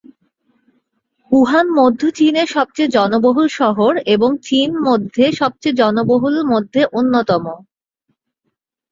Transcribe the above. Wuhan মধ্য চীনের সবচেয়ে জনবহুল শহর এবং চীন মধ্যে সবচেয়ে জনবহুল মধ্যে অন্যতম।